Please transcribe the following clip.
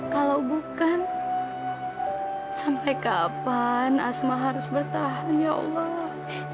kalau bukan sampai kapan asma harus bertahan ya allah